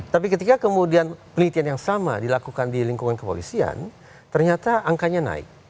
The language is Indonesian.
tapi ketika kemudian pelitian yang sama dilakukan di lingkungan kepolisian ternyata angkanya naik